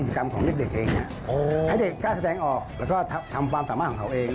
ให้เด็กกล้าแสดงออกแล้วก็ทำความสามารถของเขาเอง